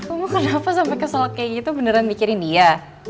emang kenapa sampe kesel kayak gitu beneran mikirin dia